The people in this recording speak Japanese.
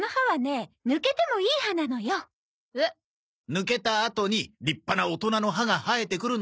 抜けたあとに立派な大人の歯が生えてくるんだ。